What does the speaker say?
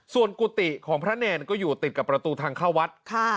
ส่วนกุฏิของพระเนรก็อยู่ติดกับประตูทางเข้าวัด